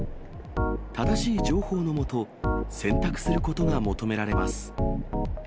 正しい情報のもと、選択することが求められます。